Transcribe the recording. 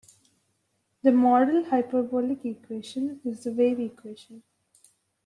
The model hyperbolic equation is the wave equation.